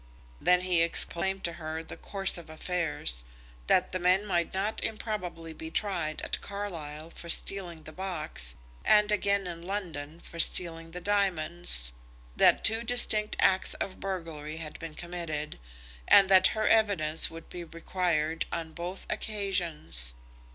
Then he explained to her the course of affairs, that the men might not improbably be tried at Carlisle for stealing the box, and again in London for stealing the diamonds, that two distinct acts of burglary had been committed, and that her evidence would be required on both occasions.